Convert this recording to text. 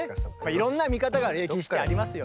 いろんな見方が歴史ってありますよね。